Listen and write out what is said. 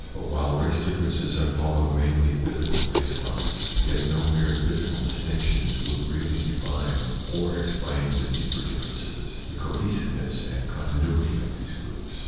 But while race differences have followed mainly physical race lines, yet no mere physical distinctions would really define or explain the deeper differences—the cohesiveness and continuity of these groups.